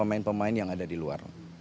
pemain pemain yang ada di luar